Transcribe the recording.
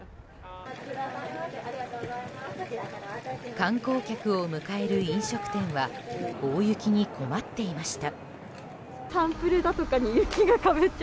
観光客を迎える飲食店は大雪に困っていました。